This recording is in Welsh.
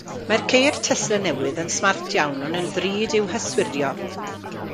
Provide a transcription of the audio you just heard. Mae'r ceir Tesla newydd yn smart iawn ond yn ddrud i'w hyswirio.